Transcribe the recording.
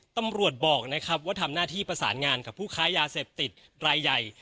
ตำรวจบอกนะครับว่าทำหน้าที่ประสานงานกับผู้ค้ายาเสพติดรายใหญ่